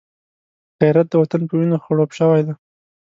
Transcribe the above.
غیرت د وطن په وینو خړوب شوی دی